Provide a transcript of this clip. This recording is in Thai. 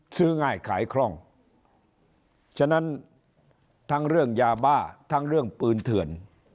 ซื้อง่ายขายคล่องฉะนั้นทั้งเรื่องยาบ้าทั้งเรื่องปืนเถื่อน